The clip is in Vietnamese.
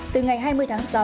từ ngày hai mươi tháng sáu